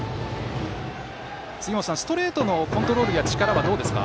ストレートのコントロールや力はどうですか？